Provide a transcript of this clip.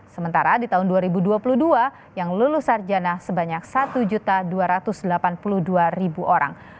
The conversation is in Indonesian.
sementara di tahun dua ribu dua puluh dua yang lulus sarjana sebanyak satu dua ratus delapan puluh dua orang